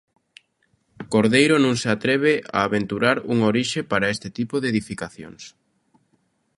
Cordeiro non se atreve a aventurar unha orixe para este tipo de edificacións.